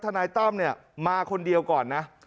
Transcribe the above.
ทันายตั้มมาคนเดียวก่อนนะ